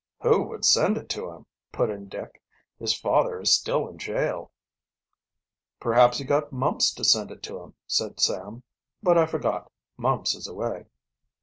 "Who would send it to him?" put in Dick. "His father is still in jail." "Perhaps he got Mumps to send it to him," said Sam. "But I forgot, Mumps is away."